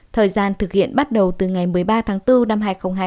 thời gian thực hiện bắt đầu từ ngày một mươi ba tháng bốn năm hai nghìn hai mươi